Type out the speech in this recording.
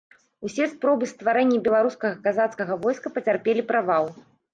Усе спробы стварэння беларускага казацкага войска пацярпелі правал.